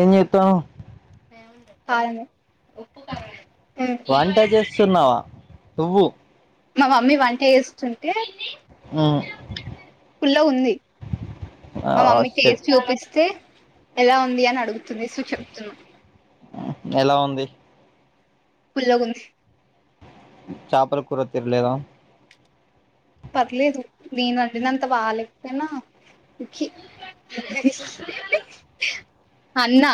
ఏం జేత్తునవ్ కారం ఏయ్ ఉప్పు కారం ఏత్త వంట జేస్తున్నావా పువ్వు. మా మమ్మీ వంట ఏస్తు. ఆ. పుల్ల గుంది మా ఆ మమ్మీ కేస్ షట్ చూపిస్తే. ఎలా ఉంది అని అడుగుతుంది సూ చెప్తున్నా. ఎలా ఉంది. పుల్లగుంది. చాపల కూర తిన్లేదా. పర్లేదు నేనండినంత బాగాలేకపోయినా. సుఖ అన్నా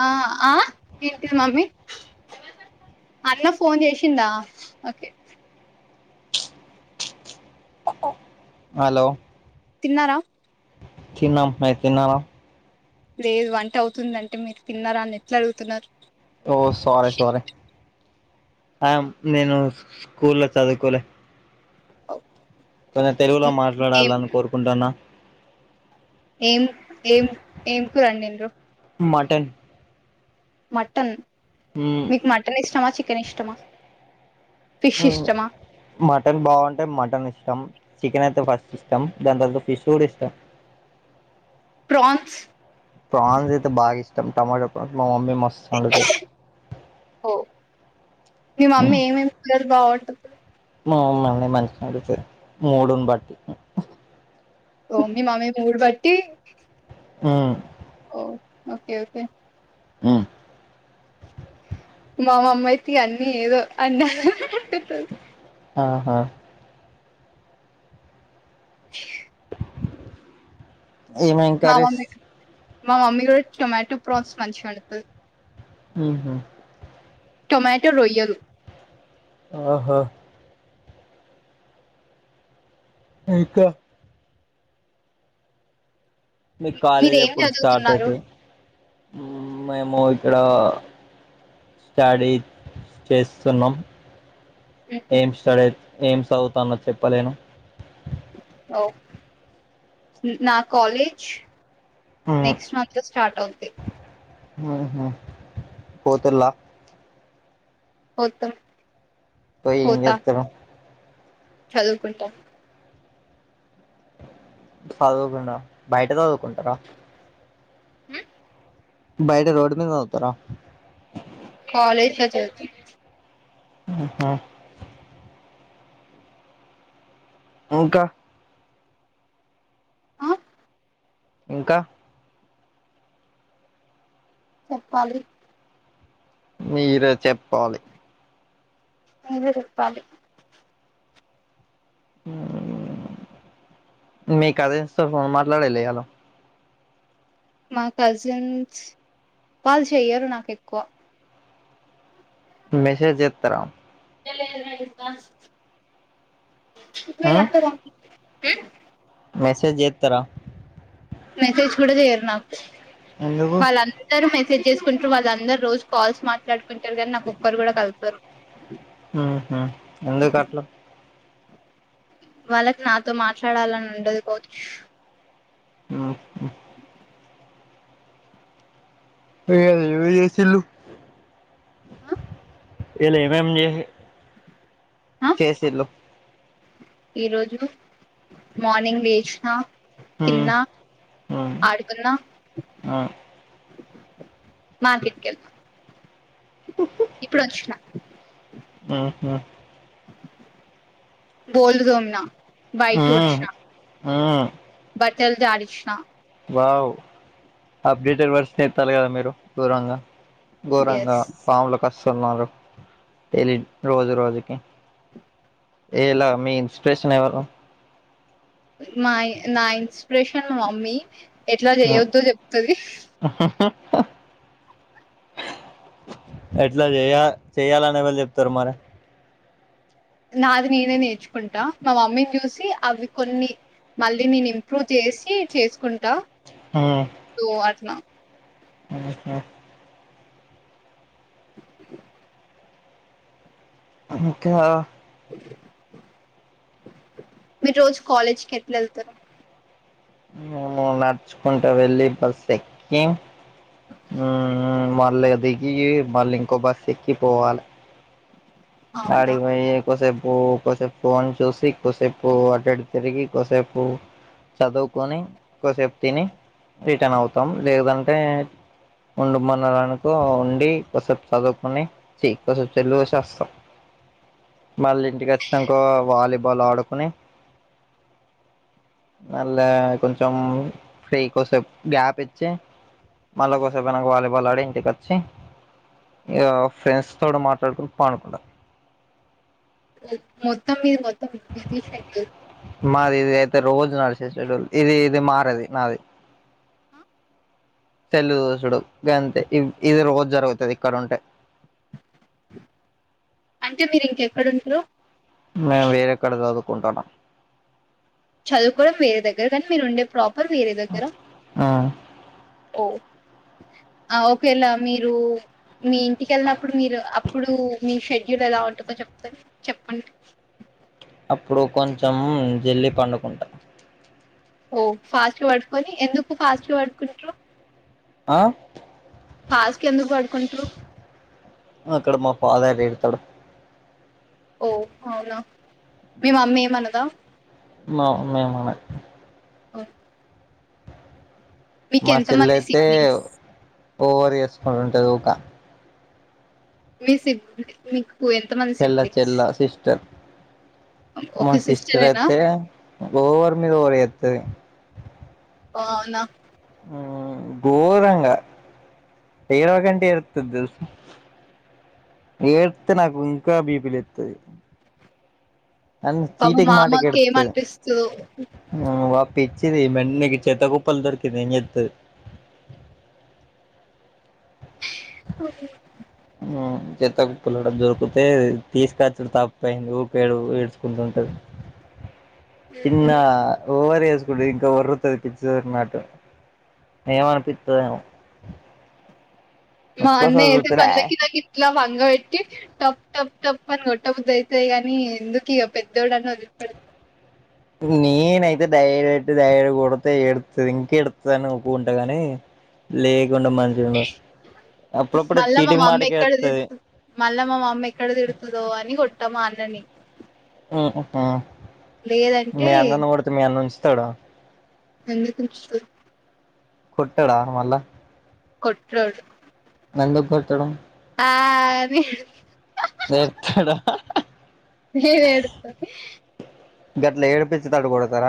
ఆ ఆ ఏంటిది మమ్మీ. అన్న ఫోన్ జేసిండా ఓకే. హలో. తిన్నారా. తిన్నాం మీరు తిన్నారా. లేదు వంటే అవుతుందంటే మీరు తిన్నారా అని ఎట్లా అడుగుతున్నారు. ఓ సరే సరే. ఆమ్ నేను స్కూల్లా చదువుకోలే. అవు కొందర్ తెలుగులో మాట్లాడాలని కోరుకుంటున్నా. ఏం ఏం ఏంకు రండిర్రు. మటన్. మటన్ ఉమ్ మీకు మటన్ ఇష్టమా చికెన్ ఇష్టమా. ఫిష్ నువ్వు ఇష్టమా మటన్ బాగుంటే మటన్ ఇష్టం. చికెన్ అయితే ఫస్ట్ ఇష్టం దాని తర్వాత ఫిష్ గూడా ఇష్టం. ప్రాన్స్ ప్రాన్స్ ఐతే బాగీష్టం టమాట ప్రాన్ మ. మమ్మి మస్త్ అండుతద్. ఓ మీరు బా అండుతర్. ఆ మా మమ్మి మంచిగా అండుతది మూడుని బట్టి. ఏ. ఆ. ఓ ఓకే ఓకే. ఆ. మామమ్మ ఇగ అయితే అన్నీ ఏదో అన్న. ఆహా. ఏమేమే మా కర్రీస్. మమ్మీ మా మమ్మీ ఇ రోజ్ టొమాటో ప్రాస్ మంచిగ అండుతాది. హ హ. టొమాటో రొయ్యలు. ఆహా. మరి ఇకా. మీక్ కాలేజ్ మీరేం ఎప్పుడు స్టార్ట్ చదువుతున్నారు అయితది. మేము ఇక్కడ. స్టడీ చేస్తున్నాం. ఉహు ఏం స్టడీత్ ఏం సదువుతాన్నో చెప్పలేను ఓ నా కాలేజ్ ఉమ్ నెక్స్ట్ మంత్ స్ స్టార్ట్ అవుతే ఆహ పోతుల ఓతం పోయి ఏం జేత్తరు చదువుకుంటా చదవకుండావ బయట చదువుకుంటారా ఉ బయట రోడ్ మీ సతార కాలజ్ ల చదుతం ఆహా ఇంకా ఆ ఇంకా చెప్పాలి మీరు చెప్పాలి మీరు చెపాలి ఊ మీ కజిన్ తో ఫోన్ మాట్లాడలే ఇయలో మా కజిన్స్ వాళ్ళు చెయ్యరు నాకు ఎక్కువ మెసేజ్ చెత్తార ఉమ్ [unintelligible] మెసేజ్ ఎతర మెసేజ్ కూడా చేయరు నాకు ఎందుకు వాళ్ళందరు మెస సెజ్ చేసుకుంటారు వాళ్ళందరు రోజు కాల్స్ మాట్లాడుకుంటారు కాని నాకు ఒక్కరు కూడా కలపరు ఉహు ఎందుకట్ల వాళ్ళకి నాతో మాట్లాడాలని ఉండదు కావచ్ ఉహు ఏ అది ఎవలు చేసిలు ఇయల ఏం ఏం చే చేసిలు ఈరోజు మార్నింగ్ లెసిన ఉమ్ తిన్నా ఉమ్ ఆడుకున్న ఉమ్ మార్కెట్ కెళ్ళినా ఇప్పుడు వచ్చిన ఉహు బోళ్లు తోమిన బయిట ఊడ్చినా ఆ బట్టల్ జడిచిన వావ్ అప్డేటెర్ వర్షన్ ఏస్తాలు కదా మీరు గోరంగా ఘోరంగా ఎస్ పాములు కస్తున్నారు తెలివ్ రోజు రోజుకి ఏలా మీ ఇన్స్పిరేషన్ ఎవరు మా నా ఇన్స్పిరేషన్ మా మమ్మీ ఎట్లా చెయ్యొద్దు చెప్తది అ ఎట్లా చేయ చెయ్యాలని ఎవలు చెప్తారు మరి నాది నేనే నేర్చుకుంటా మా మమ్మీని చూసి అవి కొన్ని మళ్ళీ నేను ఇంప్రూవ్ చేసి చేసుకుంటా సో అట్లా ఆహా ఇంకా మీరు రోజు కాలేజ్ కి ఎట్లా వెళ్తారు ఉ నడుచుకుంటా వెళ్ళి బస్ ఎక్కి ఊ మళ్ళీ దిగి మళ్ళీ ఇంకో బస్ ఎక్కి పోవాలి అవునా అడికి పోయి కోసేపు ఒ కోసేపు ఫోన్ చూసి కొసేపు అటు ఇటు తిరిగి కోసేపు చదువుకొని కోసేపు తిని రిటర్న్ అవుతాం లేదంటే ఉండు మన్నడానుకో ఉండి కొసపు చదువుకొని చి కోసేపు సెల్ చూసి వస్తాం మళ్ళీ ఇంటికి వచ్చినకా వాలీబాల్ ఆడుకొన్ని మళా కొంచెం ఫ్రీ కోసేపు గ్యాప్ ఇచ్చి మళ్ళా కోసేపు అయినంక వాలీబల్ ఆడి ఇంటికి వచ్చి ఇగా ఫ్రెండ్స్ తోటి మాట్లాడుకుంట పానుకుంట ఓ మొత్తం మీది అయితే ఫిఫ్టీ తీసేయండి మాది ఇగా మారది నాది తెల్లిదోసుడు గంతే ఇ ఇది రోజు జరుగుతుది ఇక్కడ ఉంటే అంటే మీరు ఇంకెక్కడుంట్రూ ఆ వేరే కాడ చదువుకుంటున్న చదువుకోవాడం వేరే దగ్గర కానీ మీరు ఉండే ప్రా వేరేదగ్గర మ్మ్ ఓ [unintelligible] ఓకేలా మీరు మీ ఇంటికిెళ్ళినప్పుడు మీరు అప్పుడు మీ షెడ్యూల్ ఎలా ఉంటుందో చెప్ప సరే చెప్పండి అప్పుడు కొంచెం జల్దీ పండుకుంటా ఓ ఫాస్ట్ పడుకొని ఎందుకు ఫాస్ట్ పడుకుంటారు ఆ ఫాస్ట్ గా ఎందుకు పడుకుంటారు అక్కడ మా ఫాదర్ లేరు పడు ఓ అవునా మీ మమ్మీ ఏమన్నదా మా మమ్మీ ఎం అనదు ఓ మా చెల్ల మంది అయితే సిబ్లింగ్స్ ఓవర్ చేసుకుని ఉంటది ఉకా మీ సిబ్ మీకు ఎంతమంది చెల్ల సిబ్లిస్ చెల్ల సిస్టర్ మా సిస్టరేనా సిస్టర్తే ఓవర్ మీదా ఓవర్ చేతది ఓ అవునా గోరంగ ఏడవకు అంటే ఏడ్తది తెలుసా ఏడితే నాకు ఇంకా బిపి లేతది నాన్ పాపం చీటికి మా మాటికి అమ్మకి ఏం ఎడతది అనిపిస్తదో పిచ్చిది ఇవిఅన్ని చెత్త కుప్పల దొరికింది ఎం చేతది ఓ చెత్త కుప్పులు దొరికితే తీసుకొచ్చుడు తప్పు అయింది ఊకె ఏడ్చుకుంటుంటది చిన్న ఓవర్ చేసుకుంట ఇంకా ఓరుతాది పిచ్చిది ఓరినాటు ఏమనిపిస్తదో ఏమో మా అన్నయ్య అయితే పలకి నాకు ఇట్లా ఒంగా పెట్టి టప్ టప్ టప్ అని కొట్టబుద్ది అయితాది కాని ఎందుకు ఇగా పెద్దోడు అని వదిలిపెడతా అ నేనైతే డై డైరెక్ట్ కొడితే ఎడుతది ఇంక ఎడుతది అని ఉకునుకుంటగాని లేకుంటే మంచిగా ఉండు మళ్ళ మా మమ్మీ ఎక్కడ మళ్ళ మా మమ్మీ ఎక్కడ తిడుతదో అని కొ ట్ట మా అన్నని ఉహు హా లేదంటే మీ అన్న నీ కొడుతే మీ అన్న ఉంచుతడ ఎందుకు ఉంచడు కొట్టడా మల్ల కొట్రోడు ఎందుకు కొట్టాడు ఆ అని ఏడు కొడతాడా నేను ఏడుత్త గట్ల ఏడిపించేటట్టు కొడతార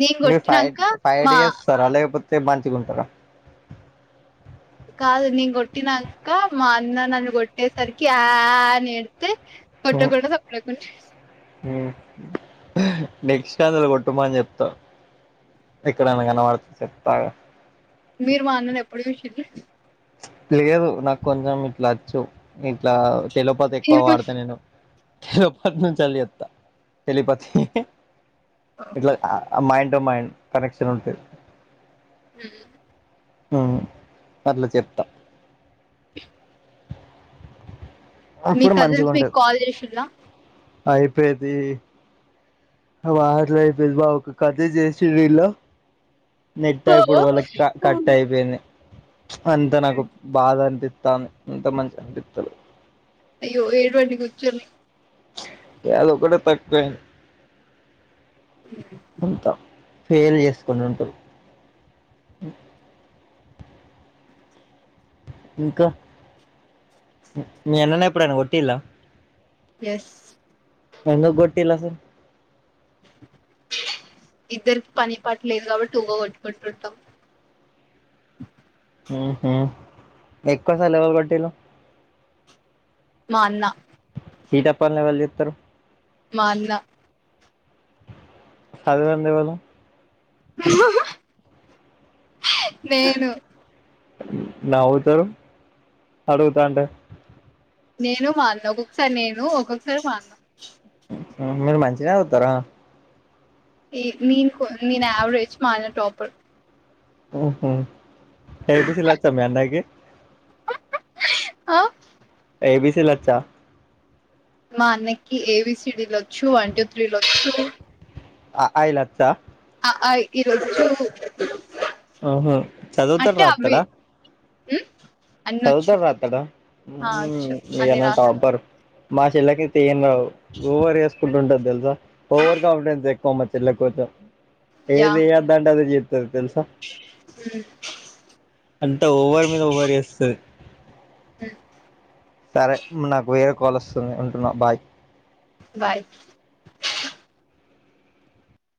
నేను మీరు ఫై కొట్టినంక ఫైట్ మా చేస్తారా లేక పోతే మంచిగుంటరా కాదు నేను కొట్టినంక మా అన్న నన్ను కొట్టేసరికి ఆ ఆ ఆని ఏ డిస్తే కొట్టకుండా సప్పుడేకా ఉంటా నెక్స్ట్ ఛాన్స్ల కొట్టటుమాని చెప్తా ఎక్కడన్న కనబడుతే చెప్తా ఆగు మీరు మా అన్నని ఎప్పుడు చూశిల్లు లేదు నాకు కొంచెం ఇట్లా వచ్చు ఇట్లా తెలుపోతే ఎక్కువ వాడతా నేను చెప్తా చాల తెలిపోతే మాడ్ మ కనెక్షన్ ఉంటది హ ఆ పర్లేదు మీ అప్పుడు కజిన్స్ మీకు కాల్ చేసిందా అయిపెంది మాలా అయిపో బా ఒక కథ చేసిలో [unintelligible] నెట్ ఓ అయిపోవుడు వల్ల క కట్ అయిపోయింది అంత నాకు బాధ అనిపిస్తాంది అంత మంచిగా అనిపిస్తదు అయ్యో ఏడువండి కూర్చోని అదొక్కటే తక్కువ అయింది అంతా ఫెయిల్ చేసుకుని ఉంటుంది హ ఇంకా మీ అన్నన్నా ఎప్పుడు ఆన కొట్టిలా ఎస్ ఎందుకు కొట్టిల్లు అసలు ఇద్దరికి పని పాటలేదు కాబట్టి ఊగా కొట్టుకుంటుంటాం ఎక్కువ సార్లు ఎవరు కొట్టిండ్రు మా అన్నా తీట పనులు ఎవళ్ళు చెత్తరు మా అన్నా సదవందేవలు నేను నవుతరు అడుగుతాంటే. నేనూ మా అన్నా ఒక్కొక్కసారి నేను ఒక్కొక్కసారి మా అన్నా. ఊ మీరు మంచిగనే చదువుతరా ఏ నేను కొ నేను యావరేజ్ మా అన్న టాపర్. ఊహు ఏబిసిలొచ్చా మీ అన్నయకి ఆ ఏబీసీ లొచ్చా మా అన్నకి ఏబీసీడీలు ఒచ్చూ వన్టూ త్రీలొచ్చూ. అఆఇ లొచ్చా అఆఇఈ లొచ్చూ ఓహో చదువుతడు రాతడా ఊ సదువుతడు రాత్తడా ఉఊ వచ్చు మీ అన్ని అన్న రాస్ టాపర్ మా చెల్లకైతే ఏం రావు ఓవరి చేస్ సుకుంటుంటది తెలుసా ఓవర్ కాన్ఫిడెన్స్ ఎక్కువ మా చెల్లక్ కొంచెం. యా ఏది చేయొద్దంటే అదే చేత్ తది తెలుసా అంత ఓవర్ మీద ఓవర్ చేస్ సరే నాకు వేరే కాల్ వస్తుంది ఉంటున్నా బాయ్ బాయ్